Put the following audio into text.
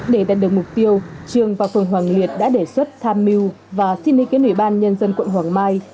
để đạt được mục tiêu trường và phường hoàng liệt đã đề xuất tham mưu và xin ý kiến ủy ban nhân dân quận hoàng mai